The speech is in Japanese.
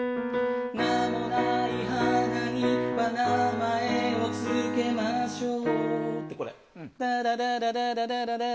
「名もない花には名前を付けましょう」。